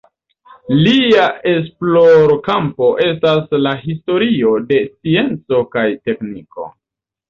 Lia esplorkampo estas la historio de scienco kaj tekniko.